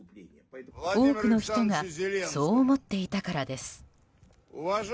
多くの人がそう思っていたからです。